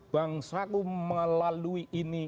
bangsaku melalui ini